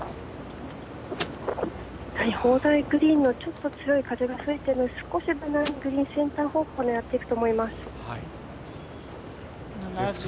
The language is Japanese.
砲台グリーンの、ちょっと強い風が吹いてるので少しグリーン、センター方向狙っていくと思います。